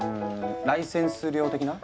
ライセンス料的な？